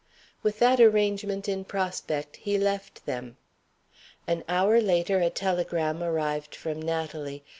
With that arrangement in prospect, he left them. An hour later a telegram arrived from Natalie.